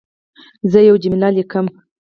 زه یوه جمله لیکم.